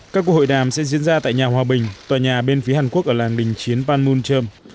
các cuộc hội đàm sẽ diễn ra tại nhà hòa bình tòa nhà bên phía hàn quốc ở làng đình chiến panmunjom